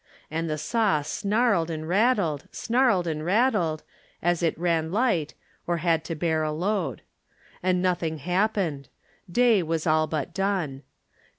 And the saw snarled and rattled, snarled and rattled, As it ran light, or had to bear a load. And nothing happened: day was all but done.